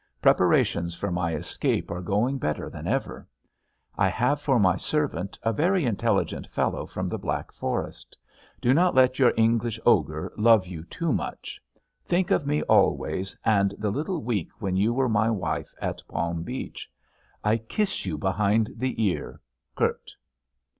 Preparations for my escape are going better than ever. I have for my servant a very intelligent fellow from the Black Forest. Do not let your English 'Ogre' love you too much. Think of me always and the little week when you were my wife at Palm Beach. I kiss you behind the ear._—KURT."